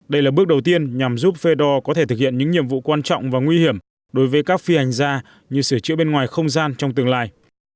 đây là bước đầu tiên nhằm giúp fedor có thể thực hiện những nhiệm vụ quan trọng và nguy hiểm đối với các phi hành gia như sửa chữa bên ngoài không gian trong tương lai